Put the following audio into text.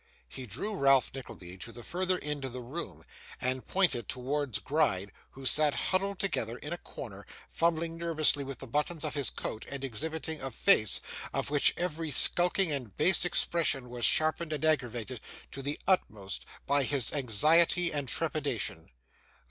He drew Ralph Nickleby to the further end of the room, and pointed towards Gride, who sat huddled together in a corner, fumbling nervously with the buttons of his coat, and exhibiting a face, of which every skulking and base expression was sharpened and aggravated to the utmost by his anxiety and trepidation.